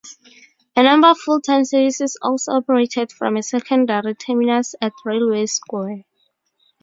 A number of full-time services also operated from a secondary terminus at Railway Square.